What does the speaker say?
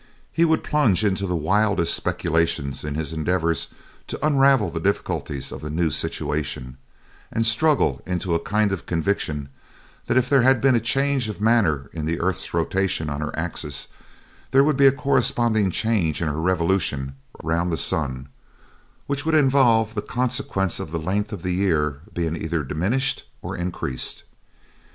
He would plunge into the wildest speculations in his endeavors to unravel the difficulties of the new situation, and struggled into a kind of conviction that if there had been a change of manner in the earth's rotation on her axis, there would be a corresponding change in her revolution round the sun, which would involve the consequence of the length of the year being either diminished or increased.